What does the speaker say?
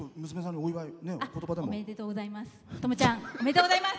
おめでとうございます。